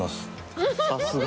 さすが。